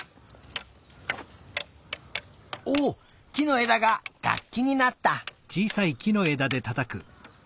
おっきのえだががっきになった！